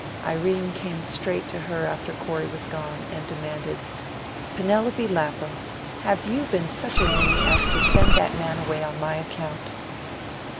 Irene came straight to her after Corey was gone, and demanded, "Penelope Lapham, have you been such a ninny as to send that man away on my account?"